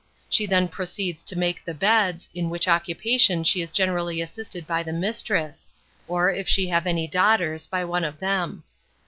She then proceeds to make the beds, in which occupation she is generally assisted by the mistress, or, if she have any daughters, by one of them.